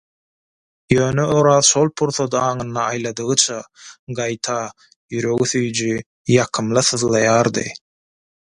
ýöne Oraz şol pursaty aňynda aýladygyça, gaýta, ýüregi süýji, ýakymly syzlaýardy.